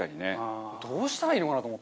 どうしたらいいのかなと思って。